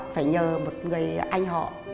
phải nhờ một người anh họ